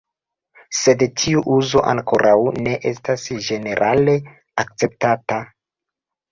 Sed tiu uzo ankoraŭ ne estas ĝenerale akceptata.